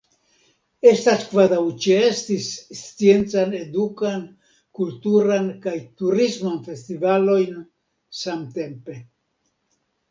Estas kvazaŭ ĉeesti sciencan, edukan, kulturan kaj turisman festivalojn samtempe.